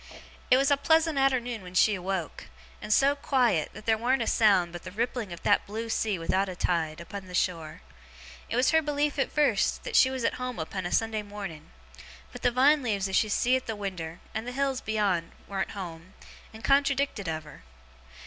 'It was a pleasant arternoon when she awoke; and so quiet, that there warn't a sound but the rippling of that blue sea without a tide, upon the shore. It was her belief, at first, that she was at home upon a Sunday morning; but the vine leaves as she see at the winder, and the hills beyond, warn't home, and contradicted of her.